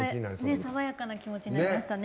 爽やかな気持ちになりましたね。